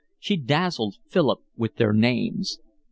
She dazzled Philip with their names.